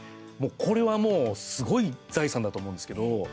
これは、もうすごい財産だと思うんですけど。